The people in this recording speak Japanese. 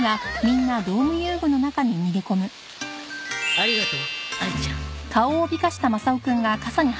ありがとうあいちゃん。